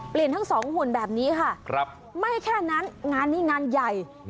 เปลี่ยนทั้ง๒หุ่นแบบนี้ค่ะไม่แค่นั้นงานนี้งานใหญ่